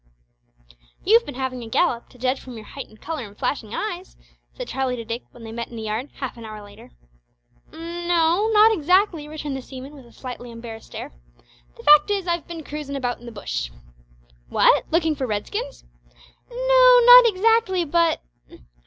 "You've been having a gallop, to judge from your heightened colour and flashing eyes," said Charlie to Dick when they met in the yard, half an hour later. "N no not exactly," returned the seaman, with a slightly embarrassed air. "The fact is I've bin cruisin' about in the bush." "What! lookin' for Redskins?" "N no; not exactly, but " "Oh!